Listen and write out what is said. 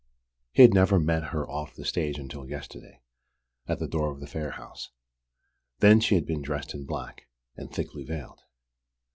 He had never met her off the stage until yesterday, at the door of the Phayre house. Then she had been dressed in black, and thickly veiled.